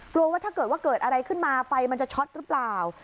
ว่าถ้าเกิดว่าเกิดอะไรขึ้นมาไฟมันจะช็อตหรือเปล่า